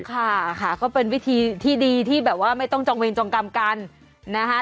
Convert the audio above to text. ค่ะค่ะก็เป็นวิธีที่ดีที่แบบว่าไม่ต้องจองเวรจองกรรมกันนะคะ